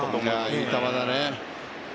いい球だね。